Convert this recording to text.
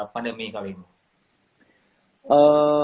pandemi kali ini